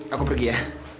aku pergi ya